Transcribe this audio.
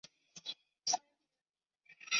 歌词竞赛进行的同时举行了歌谱竞赛。